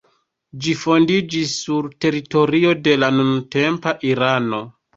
Ĝi fondiĝis sur teritorio de la nuntempa Irano.